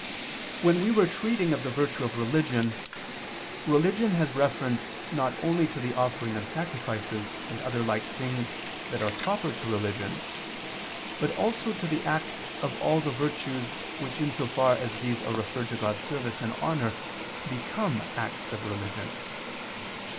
3) when we were treating of the virtue of religion, religion has reference not only to the offering of sacrifices and other like things that are proper to religion, but also to the acts of all the virtues which in so far as these are referred to God's service and honor become acts of religion.